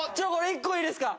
一個いいですか？